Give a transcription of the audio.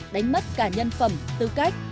đánh mất cả nhân phẩm tư cách